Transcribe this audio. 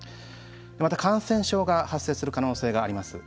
また、感染症が発生する可能性があります。